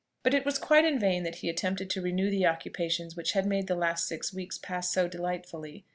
But it was quite in vain that he attempted to renew the occupations which had made the last six weeks pass so delightfully.